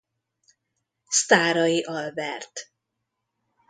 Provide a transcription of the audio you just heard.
Sztáray Albert.